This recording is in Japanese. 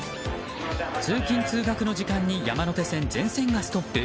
通勤・通学の時間帯に山手線全線がストップ。